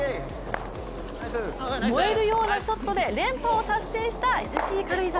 燃えるようなショットで、連覇を達成したＳＣ軽井沢。